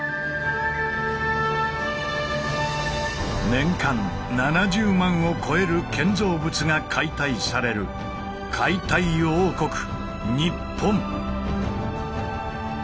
年間７０万を超える建造物が解体される解体王国日本。